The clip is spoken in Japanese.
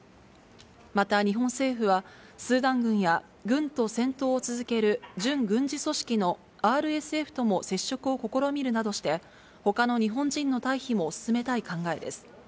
また日本政府は、スーダン軍や軍と戦闘を続ける準軍事組織のＲＳＦとも接触を試みるなどして、ほかの日本人の退避も進めたい考えです。